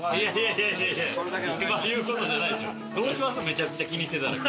めちゃくちゃ気にしてたら。